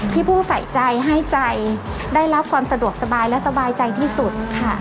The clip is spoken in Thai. ผู้ใส่ใจให้ใจได้รับความสะดวกสบายและสบายใจที่สุดค่ะ